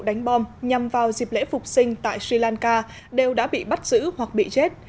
đánh bom nhằm vào dịp lễ phục sinh tại sri lanka đều đã bị bắt giữ hoặc bị chết